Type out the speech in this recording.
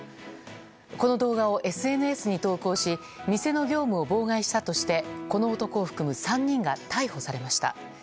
この動画をＳＮＳに投稿し店の業務を妨害したとしてこの男を含む３人が逮捕されました。